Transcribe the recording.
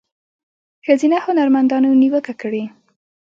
ښځینه هنرمندانو نیوکه کړې